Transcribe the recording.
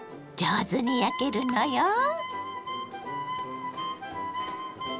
上手に焼けるのよ。